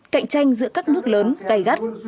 cạnh tranh giữa các nước lớn gây gắt